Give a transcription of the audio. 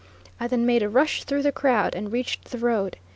I then made a rush through the crowd, and reached the road.